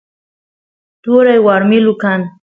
turay warmilu kan